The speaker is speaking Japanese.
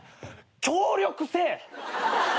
協力せえ！